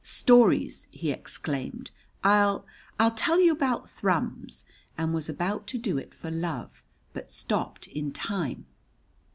"Stories!" he exclaimed, "I'll I'll tell you about Thrums," and was about to do it for love, but stopped in time.